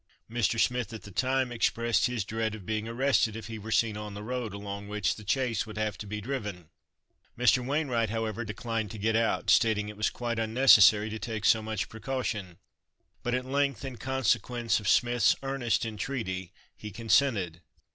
Mr. Smith at the time expressed his dread of being arrested if he were seen on the road along which the chaise would have to be driven. Mr. Wainwright, however, declined to get out; stating it was quite unnecessary to take so much precaution; but at length, in consequence of Smith's earnest entreaty, he consented.